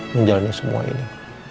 menjalani semua ini